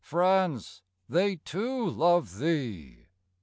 France, they too love thee!